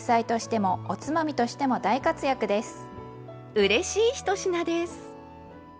うれしい１品です。